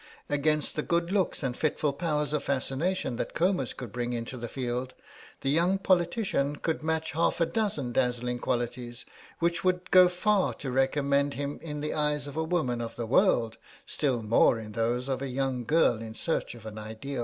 Against the good looks and fitful powers of fascination that Comus could bring into the field, the young politician could match half a dozen dazzling qualities which would go far to recommend him in the eyes of a woman of the world, still more in those of a young girl in search of an ideal.